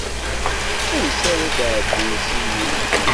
Ansi ara d-ɛeddin s imi.